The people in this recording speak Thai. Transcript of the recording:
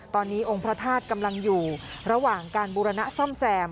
ตอนนี้องค์พระธาตุกำลังอยู่ระหว่างการบูรณะซ่อมแซม